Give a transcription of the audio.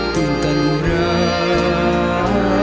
ตื่นตันเวลา